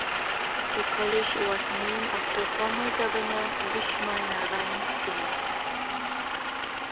The college was named after former Governor Bhishma Narain Singh.